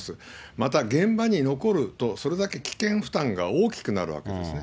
また、現場に残ると、それだけ危険負担が大きくなるわけですね。